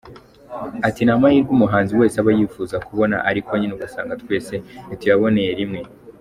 Ati “Ni amahirwe umuhanzi wese aba yifuza kubona ariko nyine ugasanga twese ntituyaboneye rimwe.